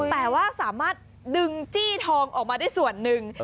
แต่ว่าสามารถดึงจี้ทองออกมาได้ส่วนหนึ่ง